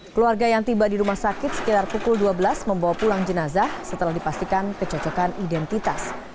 keluarga yang tiba di rumah sakit sekitar pukul dua belas membawa pulang jenazah setelah dipastikan kecocokan identitas